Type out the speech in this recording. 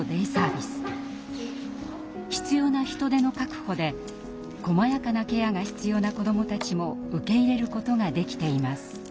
必要な人手の確保でこまやかなケアが必要な子どもたちも受け入れることができています。